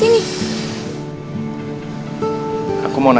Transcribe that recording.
henry dan mama